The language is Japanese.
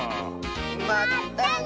まったね！